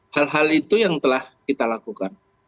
hal hal itu yang telah kita lakukan